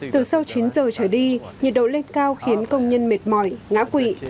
từ sau chín giờ trở đi nhiệt độ lên cao khiến công nhân mệt mỏi ngã quỵ